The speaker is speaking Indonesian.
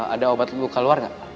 ada obat luka luar nggak